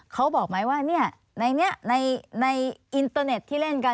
เขาบอกไหมว่าในนี้ในอินเตอร์เน็ตที่เล่นกัน